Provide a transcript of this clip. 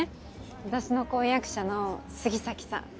私の婚約者の杉崎さん。